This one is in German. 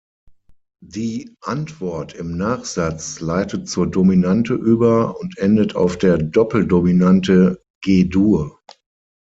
Die „Antwort“ im Nachsatz leitet zur Dominante über und endet auf der Doppeldominante G-Dur.